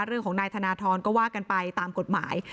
เรื่องของนายธนทรก็ว่ากันไปตามกฎหมาย